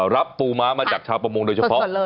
รับปูม้ามาจากชาวประมงโดยเฉพาะ